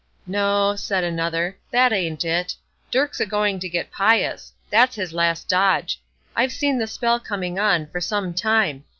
"No," said another, "that ain't it; Dirk's a going to get pious. That's his last dodge; I've seen the spell coming on, for some time.